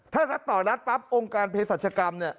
ถ้ารัฐต่อรัฐปั๊บองค์การเพศรัชกรรมเนี่ย